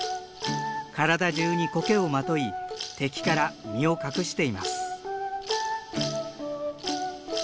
体中にコケをまとい敵から身を隠しています。